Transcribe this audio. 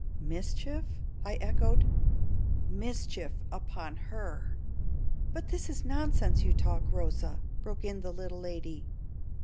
"Mischief?" I echoed. "Mischief upon her." "But this is nonsense you talk, Rosa!" broke in the little lady.